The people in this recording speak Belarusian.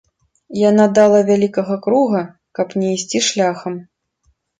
Яна дала вялікага круга, каб не ісці шляхам.